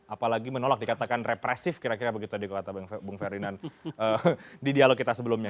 apalagi menolak dikatakan represif kira kira begitu di kota bung ferdinand di dialog kita sebelumnya